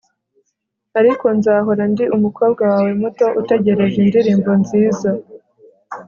ariko nzahora ndi umukobwa wawe muto utegereje indirimbo nziza